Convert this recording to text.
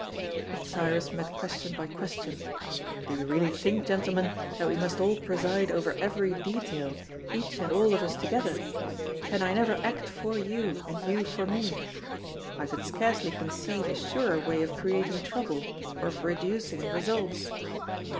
But Cyrus met question by question: "Do you really think, gentlemen, that we must all preside over every detail, each and all of us together? Can I never act for you, and you for me? I could scarcely conceive a surer way of creating trouble, or of reducing results.